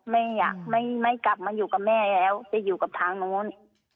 ไม่อยากไม่กลับมาอยู่กับแม่แล้วจะอยู่กับทางนู้น